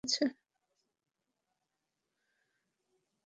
কয় উইকেট পড়ল?